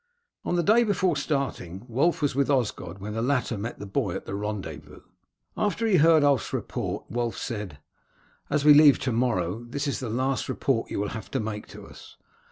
On the day before starting, Wulf was with Osgod when the latter met the boy at the rendezvous. After he heard Ulf's report Wulf said: "As we leave to morrow this is the last report you will have to make to us.